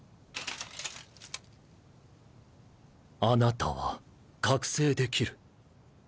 あなたは覚醒できる